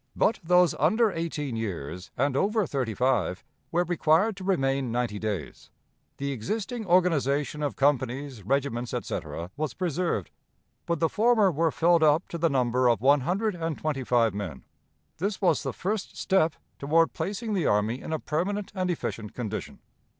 But those under eighteen years and over thirty five were required to remain ninety days. The existing organization of companies, regiments, etc., was preserved, but the former were filled up to the number of one hundred and twenty five men. This was the first step toward placing the army in a permanent and efficient condition.